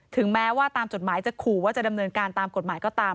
แม้ว่าตามจดหมายจะขู่ว่าจะดำเนินการตามกฎหมายก็ตาม